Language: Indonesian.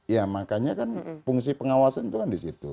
ya makanya kan fungsi pengawasan itu kan disitu